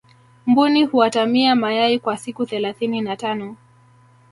mbuni huatamia mayai kwa siku thelathini na tano